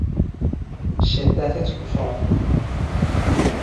شدت توفان